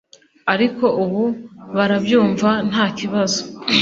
ariko ubu barabyumva nta kibazo